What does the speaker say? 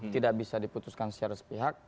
tidak bisa diputuskan secara sepihak